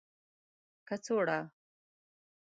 کڅوړه